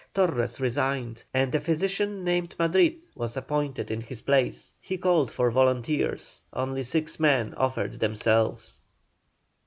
Torres resigned, and a physician named Madrid was appointed in his place. He called for volunteers; only six men offered themselves.